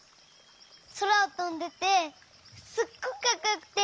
そらをとんでてすっごくかっこよくて。